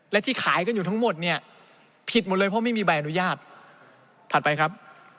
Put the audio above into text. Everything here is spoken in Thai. และที่ขายกันอยู่ทั้งหมดเนี่ยผิดหมดเลยเพราะไม่มีใบอนุญาตถัดไปครับ